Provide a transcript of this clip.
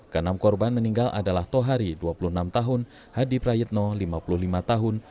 kenam korban meninggal adalah tohari dua puluh enam tahun hadi prayitno lima puluh lima tahun